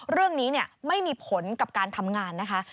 เรื่องนี้ไม่มีผลกับการทำงานนะคะ